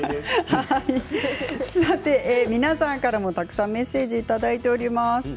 さて皆さんからはたくさんメッセージいただいております。